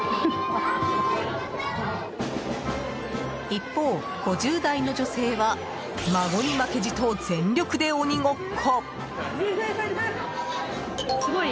一方、５０代の女性は孫に負けじと全力で鬼ごっこ。